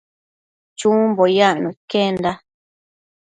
Chumbo yacno iquenda